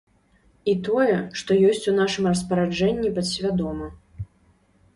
І тое, што ёсць у нашым распараджэнні падсвядома.